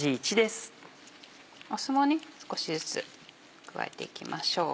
酢も少しずつ加えていきましょう。